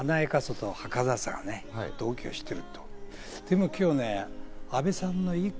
華やかさとはかなさが同居している。